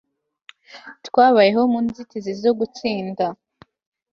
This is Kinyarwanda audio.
Twabayeho mu nzitizi zo gutsinda